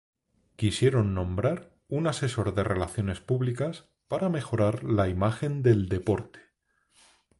Quisieron nombrar un asesor de relaciones públicas para mejorar la imagen del deporte.